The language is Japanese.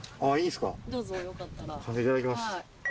いただきます。